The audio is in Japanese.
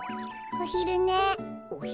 おひるね？